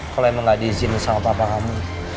kalau emang gak diizin sama papa kamu